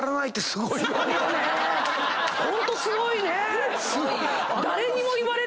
すごいね。